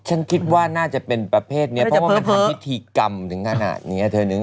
ฉันคิดว่าน่าจะเป็นประเภทนี้เพราะว่ามันทำพิธีกรรมถึงขนาดนี้เธอนึง